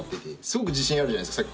すごく自信あるじゃないですか。